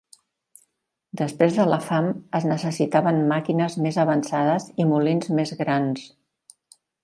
Després de la fam, es necessitaven màquines més avançades i molins més grans.